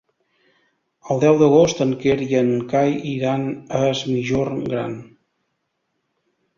El deu d'agost en Quer i en Cai iran a Es Migjorn Gran.